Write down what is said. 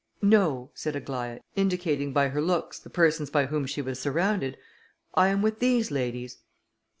"No," said Aglaïa, indicating by her looks the persons by whom she was surrounded, "I am with these ladies."